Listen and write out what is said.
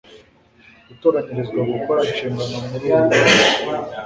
gutoranyirizwa gukora inshingano muri uyu murimo.